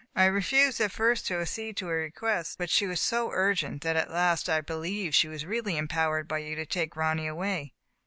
I refused at first to ac cede to her request, but she was so urgent that at last I believed she was really empowered by you to take Ronny away.